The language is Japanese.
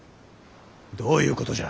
どういうことじゃ。